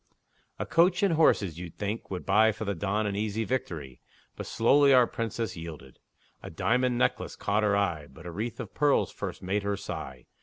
A coach and horses, you'd think, would buy For the Don an easy victory; But slowly our Princess yielded. A diamond necklace caught her eye, But a wreath of pearls first made her sigh.